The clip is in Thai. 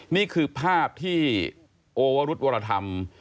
นี่คือภาพที่โอวรุธวรธรรม